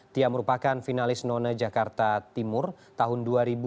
tia merupakan finalis nona jakarta timur tahun dua ribu tujuh belas